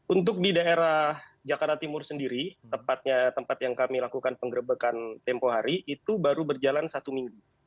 untuk di daerah jakarta timur sendiri tepatnya tempat yang kami lakukan penggerbekan tempoh hari itu baru berjalan satu minggu